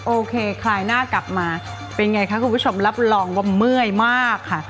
โอเคคลายหน้ากลับมาเป็นไงคะคุณผู้ชมรับรองว่าเมื่อยมากค่ะ